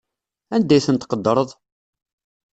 Anda ay ten-tqeddreḍ?